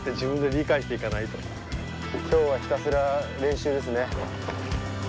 今日はひたすら練習ですね。